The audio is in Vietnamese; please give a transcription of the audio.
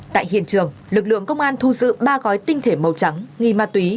tại hiện trường lực lượng công an thu giữ ba gói tinh thể màu trắng nghi ma túy